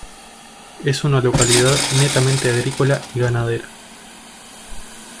Es una localidad netamente agrícola y ganadera.